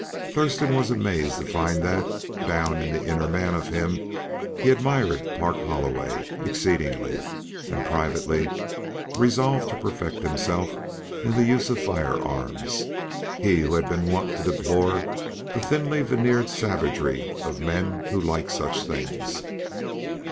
Thurston was amazed to find that, down in the inner man of him, he admired Park Holloway exceedingly, and privately resolved to perfect himself in the use of fire arms, he who had been wont to deplore the thinly veneered savagery of men who liked such things.